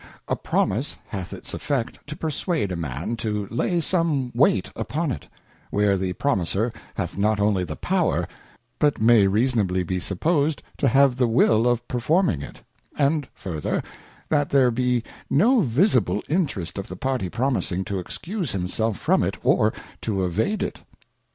A Promise hath its effect to perswade a Man to lay some weight upon it, where the Promiser hath not only the power, but may reasonably be supposed to have the will of performing it; and further, that there be no visible interest of the party promising to excuse himself from it, or to evade it.